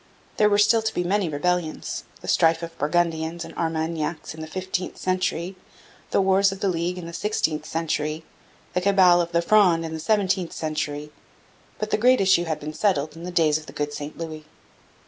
There were still to be many rebellions the strife of Burgundians and Armagnacs in the fifteenth century, the Wars of the League in the sixteenth century, the cabal of the Fronde in the seventeenth century but the great issue had been settled in the days of the good St Louis.